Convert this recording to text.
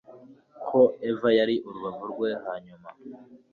Ko Eva yari urubavu rwe hanyuma